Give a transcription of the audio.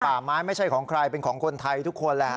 ป่าไม้ไม่ใช่ของใครเป็นของคนไทยทุกคนแหละ